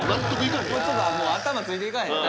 頭ついていかへんな。